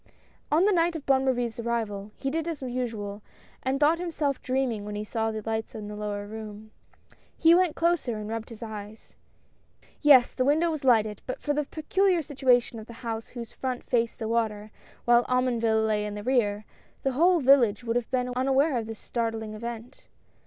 On the night of Bonne Marie's arrival, he did as usual, and thought himself dreaming when he saw the light in the lower room. He went closer and rubbed his eyes. Yes, the window was lighted, and but for the pe culiar situation of the house whose front faced the water, while Omonville lay in the rear, the whole village would have been aware of tliis startling event.